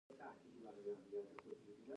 د فرمان رسۍ په غاړه انس او جان ستا لري.